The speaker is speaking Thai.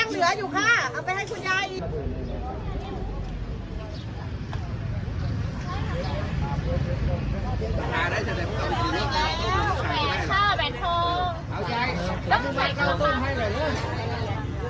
บาปอีกซ้าย้างเหลืออีก